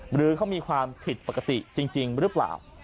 หรือเขามีความผิดปกติจริงหรือเปล่า